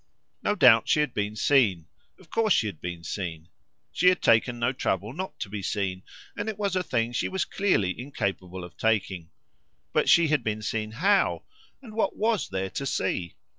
No doubt she had been seen. Of course she had been seen. She had taken no trouble not to be seen, and it was a thing she was clearly incapable of taking. But she had been seen how? and what WAS there to see?